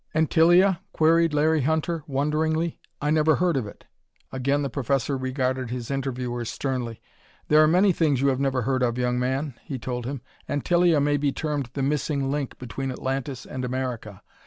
"Antillia?" queried Larry Hunter, wonderingly. "I never heard of it." Again the professor regarded his interviewer sternly. "There are many things you have never heard of, young man," he told him. "Antillia may be termed the missing link between Atlantis and America.